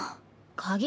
鍵